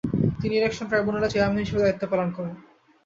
তিনি ইলেকশন ট্রাইবুনালের চেয়ারম্যান হিসেবেও দায়িত্ব করেন।